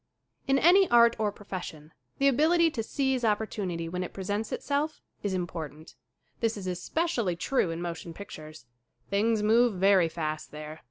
IN ANY ART or profession the ability to seize opportunity when it presents itself is impor tant. This is especially true in motion pictures. Things move very fast there.